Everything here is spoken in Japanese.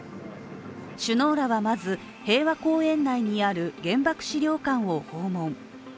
首脳らはまず、平和公園内にある原爆資料館を訪問。